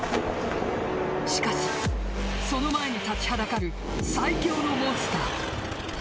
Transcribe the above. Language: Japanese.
しかし、その前に立ちはだかる最強のモンスター。